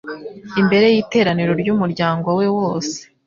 imbere y’iteraniro ry’umuryango we wose